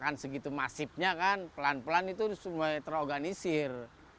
kan segitu masifnya kan pelan pelan itu semua terorganisir